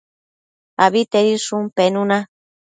Abitedishun penuna